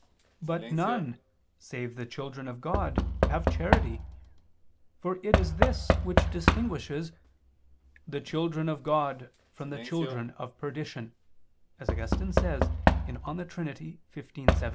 But none save the children of God have charity, for it is this which distinguishes "the children of God from the children of perdition," as Augustine says (De Trin. xv, 17).